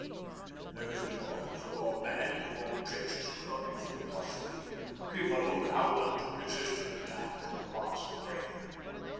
There isn't an officer or man in the forward trenches who cannot be fully trusted to keep a look out and to resist an attack to the last breath.